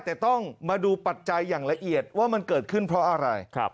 แต่ต้องมาดูปัจจัยอย่างละเอียดว่ามันเกิดขึ้นเพราะอะไร